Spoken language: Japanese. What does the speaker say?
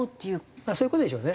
そういう事でしょうね。